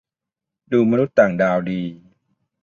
ดูมนุษย์ต่างดาวดี